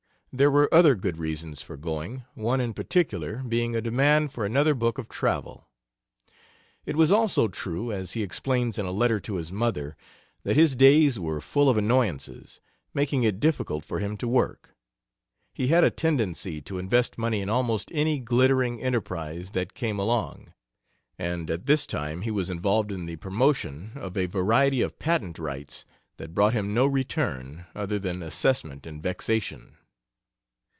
There were other good reasons for going, one in particular being a demand for another book of travel. It was also true, as he explains in a letter to his mother, that his days were full of annoyances, making it difficult for him to work. He had a tendency to invest money in almost any glittering enterprise that came along, and at this time he was involved in the promotion of a variety of patent rights that brought him no return other than assessment and vexation.